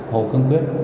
hồ cơn quyết